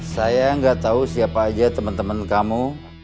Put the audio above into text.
saya gak tahu siapa aja temen temen kamu